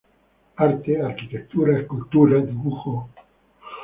Arte, arquitectura, escultura, dibujo.